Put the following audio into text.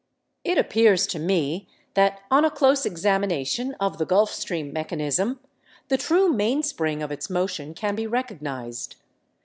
It appears to me, that on a close examination of the Gulf Stream mechanism, the true mainspring of its motion can be recognised.